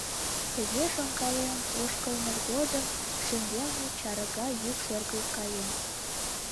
Тыге шонкален ошкылмыж годым шеҥгелне чарга йӱк шергылт каен.